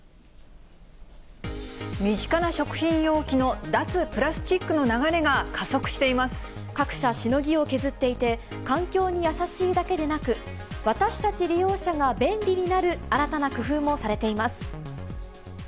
身近な食品容器の脱プラスチ各社、しのぎを削っていて、環境に優しいだけでなく、私たち利用者が便利になる新たな工夫もされています。